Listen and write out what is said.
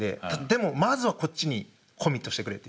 でもまずはこっちにコミットしてくれというか。